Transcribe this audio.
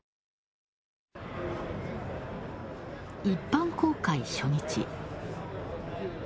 一般公開初日。